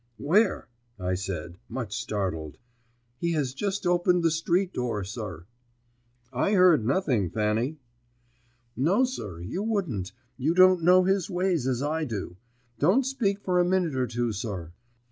"Where?" I said, much startled. "He has just opened the street door, sir." "I heard nothing, Fanny." "No, sir, you wouldn't. You don't know his ways as I do. Don't speak for a minute or two, sir."